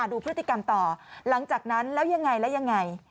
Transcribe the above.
ดูพฤติกรรมต่อหลังจากนั้นแล้วยังไงแล้วยังไง